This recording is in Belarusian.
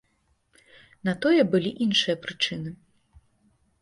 На тое былі іншыя прычыны.